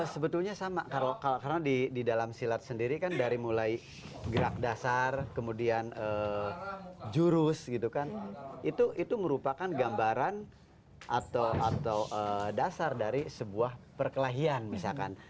sebetulnya sama karena di dalam silat sendiri kan dari mulai gerak dasar kemudian jurus gitu kan itu merupakan gambaran atau dasar dari sebuah perkelahian misalkan